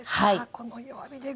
この弱火で５分！